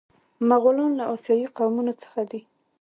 مغولان له اسیایي قومونو څخه دي.